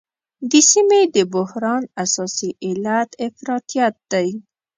د سیمې د بحران اساسي علت افراطیت دی.